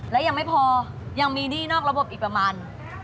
และยังไม่พอยังมีหนี้นอกระบบอีกประมาณ